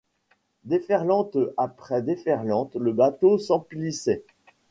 déferlantes après déferlantes, le bateau s'emplissait